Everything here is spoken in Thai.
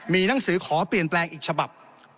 มีหนังสือขอเปลี่ยนแปลงอีกฉบับ